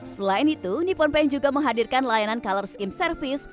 selain itu nippon paint juga menghadirkan layanan color skim service